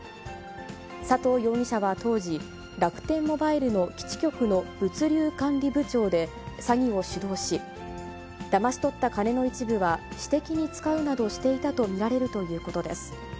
佐藤容疑者は当時、楽天モバイルの基地局の物流管理部長で、詐欺を主導し、だまし取った金の一部は、私的に使うなどしていたと見られるということです。